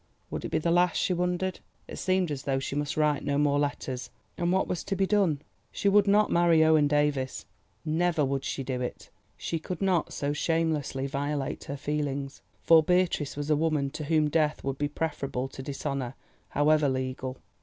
Would it be the last, she wondered? It seemed as though she must write no more letters. And what was to be done? She would not marry Owen Davies—never would she do it. She could not so shamelessly violate her feelings, for Beatrice was a woman to whom death would be preferable to dishonour, however legal.